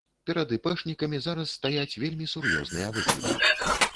Перад іпэшнікамі зараз стаяць вельмі сур'ёзныя выклікі.